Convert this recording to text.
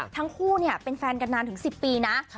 ทั้งคู่เนี่ยเป็นแฟนกันนานถึงสิบปีนะ